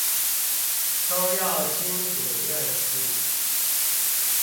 都要清楚認識